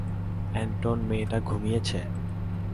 এন্টন মেয়েটা ঘুমিয়েছে?